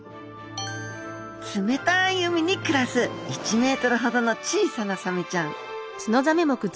冷たい海に暮らす１メートルほどの小さなサメちゃん。